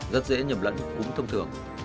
rất dễ nhầm lẫn uống thông thường